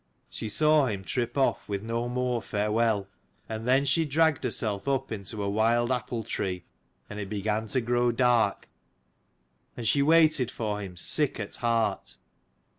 She saw him trip off with no more farewell; and then she dragged herself up into a wild apple tree, and it began to grow dark: and she waited for him, sick at heart.